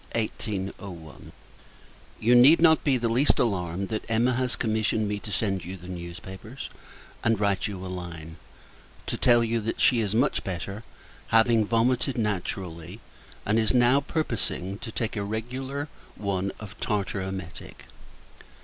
MY DEAR LORD, You need not be the least alarmed, that Emma has commissioned me to send you the newspapers; and write you a line, to tell you that she is much better having vomited naturally, and is now purposing to take a regular one of tartar emetic.